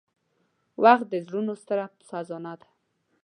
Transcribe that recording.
• وخت د زړونو ستره خزانه ده.